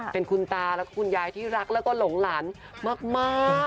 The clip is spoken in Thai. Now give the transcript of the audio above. เป็นคุณตาแล้วก็คุณยายที่รักแล้วก็หลงหลานมาก